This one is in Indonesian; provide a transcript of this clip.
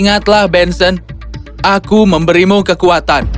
ingatlah benson aku memberimu kekuatan